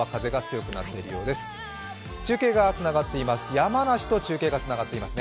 山梨と中継がつながっていますね。